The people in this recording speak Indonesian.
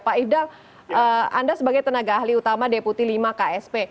pak ifdal anda sebagai tenaga ahli utama deputi lima ksp